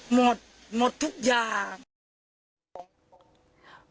หมดหมดทุกอย่าง